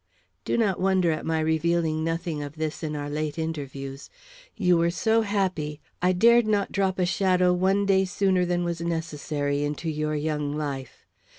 Do not wonder at my revealing nothing of this in our late interviews. You were so happy, I dared not drop a shadow one day sooner than was necessary into your young life.